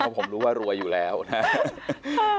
เหล่าผมรู้ว่ารวยอยู่แล้วนะ